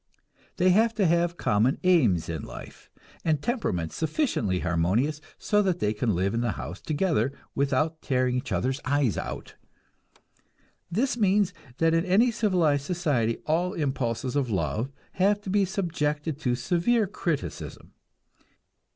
They have to have common aims in life, and temperaments sufficiently harmonious so that they can live in the house together without tearing each other's eyes out. This means that in any civilized society all impulses of love have to be subjected to severe criticism.